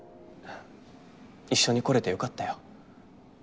一緒に来れてよかったよ